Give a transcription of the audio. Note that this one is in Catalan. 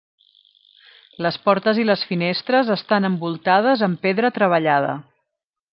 Les portes i les finestres estan envoltades amb pedra treballada.